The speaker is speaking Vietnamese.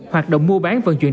hoạt động mua bán vận chuyển